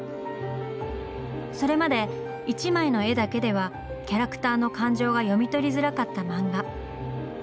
それまで一枚の絵だけではキャラクターの感情が読み取りづらかった漫画。